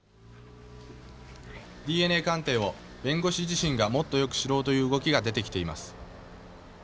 ＤＮＡ鑑定を弁護士自身がもっとよく知ろうという動きが出てきています。